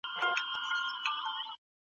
موږ بايد انتقاد ومنو.